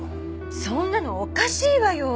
そんなのおかしいわよ！